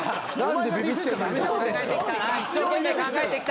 一生懸命考えてきた。